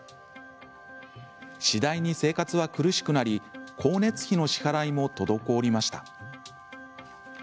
次第に生活は苦しくなり光熱費の支払いも滞りました。